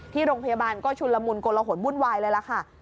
ที่โรงพยาบาลก็ชุนละมุนโกลหนวุ่นวายเลยล่ะค่ะ